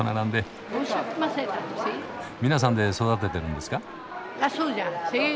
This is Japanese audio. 皆さんで育ててるんですか？